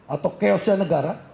atau keoste negara